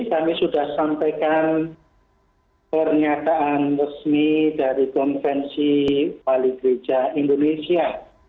kami sudah sampaikan pernyataan resmi dari konvensi wali gereja indonesia